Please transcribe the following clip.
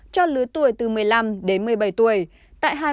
cho lứa tuổi từ một mươi năm đến một mươi bảy tuổi